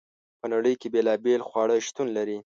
په نړۍ کې بیلابیل خواړه شتون لري.